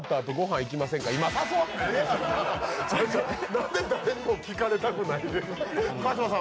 何で誰にも聞かれたくないねん。